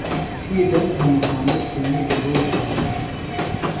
تھی درہ تھہ مُخامُخ تیݨی درُڑیۡ سموم۔